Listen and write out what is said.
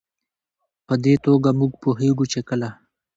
په دې توګه موږ پوهېږو چې کله